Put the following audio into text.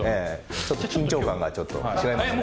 緊張感がちょっと違いますね。